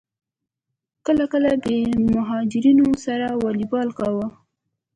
کله کله به یې مهاجرینو سره والیبال کاوه.